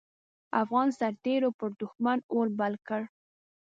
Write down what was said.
افغان سررتېرو پر دوښمن اور بل کړ.